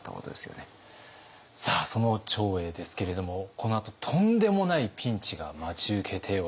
さあその長英ですけれどもこのあととんでもないピンチが待ち受けております。